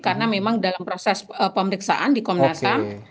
karena memang dalam proses pemeriksaan di komnas ham